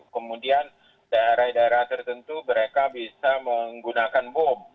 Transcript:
kemudian daerah daerah tertentu mereka bisa menggunakan bom